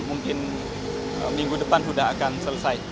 mungkin minggu depan sudah akan selesai